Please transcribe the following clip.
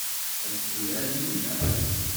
Ad turar yid-neɣ?